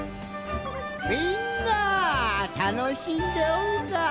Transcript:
みんなたのしんでおるか。